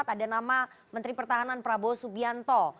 ada nama menteri pertahanan prabowo subianto